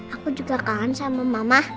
aku juga kangen sama mama